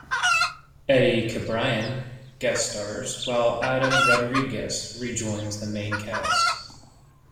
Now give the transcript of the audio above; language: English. Eddie Cibrian guest stars, while Adam Rodriguez rejoins the main cast.